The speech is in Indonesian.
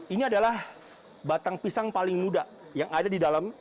ini adalah batang pisang paling muda yang ada di dalam